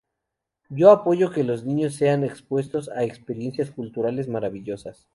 Yo apoyo que los niños sean expuestos a experiencias culturales maravillosas.